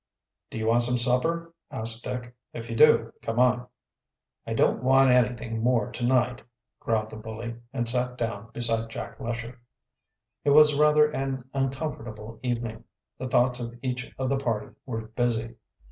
"Do you want some supper?" asked Dick. "If you do, come on." "I don't want anything more to night," growled the bully, and sat down beside Jack Lesher. It was rather an uncomfortable evening. The thoughts of each of the party were busy.